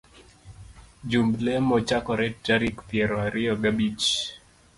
Jumb lemo chakore tarik piero ariyo gabich